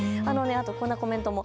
こんなコメントも。